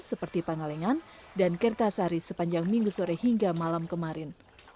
seperti pangalengan dan kertasari sepanjang minggu sore hingga malam kemarin